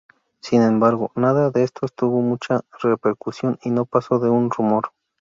Sin embargo, nada de esto tuvo mucha repercusión, y no pasó de un rumor.